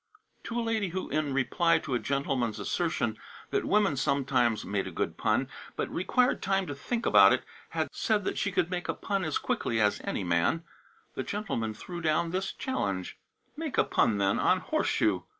To a lady who, in reply to a gentleman's assertion that women sometimes made a good pun, but required time to think about it, had said that she could make a pun as quickly as any man, the gentleman threw down this challenge: "Make a pun, then, on horse shoe."